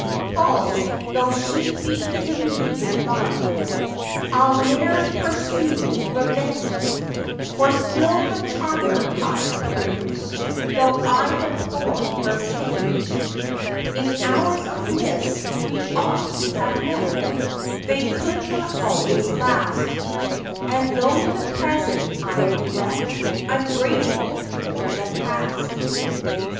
False though she be to me and love, I'll ne'er pursue revenge; For still the charmer I approve, Though I deplore her change. In hours of bliss we oft have met, They could not always last; And though the present I regret, I'm grateful for the past.